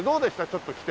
ちょっと来て。